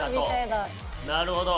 なるほど。